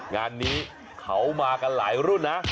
งานนี้เขามากันหลายรุ่นนะ